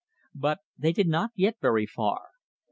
But they did not get very far.